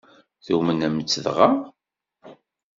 Tumnem-tt dɣa?